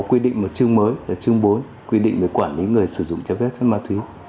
quy định một chương mới và chương bốn quy định về quản lý người sử dụng trái phép chất ma túy